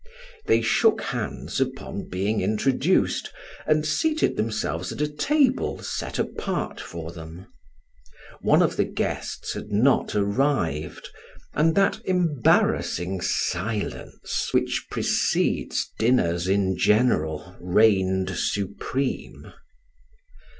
They shook hands upon being introduced and seated themselves at a table set apart for them. One of the guests had not arrived, and that embarrassing silence which precedes dinners in general reigned supreme.